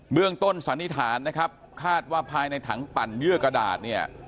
เมืองต้นสันนิษฐานนะครับคาดว่าภายในถังปั่นเยื่อกระดาษเนี่ย